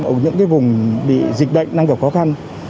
ở những vùng bị dịch bệnh đang gặp khó khăn